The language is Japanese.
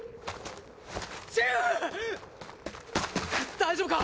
大丈夫か！